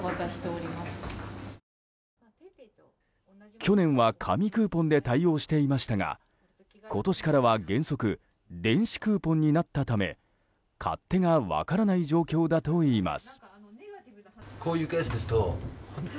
去年は紙クーポンで対応していましたが今年からは原則電子クーポンになったため勝手が分からない状況だといいます。